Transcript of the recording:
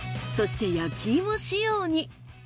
そして焼き芋仕様に。